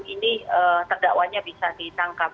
ini terdakwanya bisa ditangkap